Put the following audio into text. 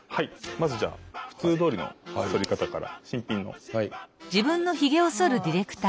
まずじゃあ普通どおりのそり方から。